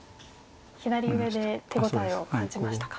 左上で手応えを感じましたか。